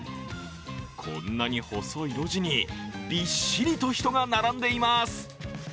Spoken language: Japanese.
こんなに細い路地に、びっしりと人が並んでいます。